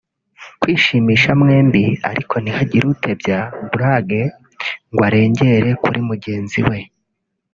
Kwishimisha mwembi ariko ntihagire utebya (blagues) ngo arengere kuri mugenzi we